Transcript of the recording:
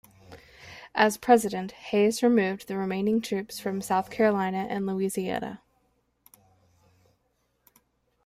As president, Hayes removed the remaining troops from South Carolina and Louisiana.